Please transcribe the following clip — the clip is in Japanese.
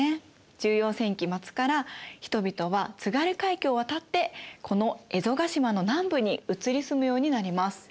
１４世紀末から人々は津軽海峡を渡ってこの蝦夷ヶ島の南部に移り住むようになります。